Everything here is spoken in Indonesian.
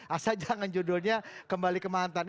asal jangan judulnya kembali ke mantan